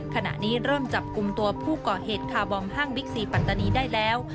ขณะนี้เริ่มจับกลุ่มตัวผู้ก่อเหตุคาร์บอมห้างบิ๊กซีปัตตานีได้แล้ว